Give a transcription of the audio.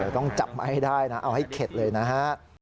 ต้องจับมาให้ได้นะเอาให้เข็ดเลยนะฮะ